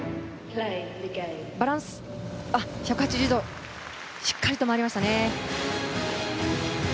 バランス、１８０度しっかり止まりましたね。